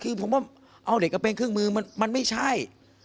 คือผมว่าเอาเด็กไปเป็นเครื่องมือมันไม่ใช่